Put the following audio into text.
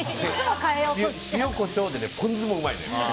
塩、コショウでポン酢もうまいのよ。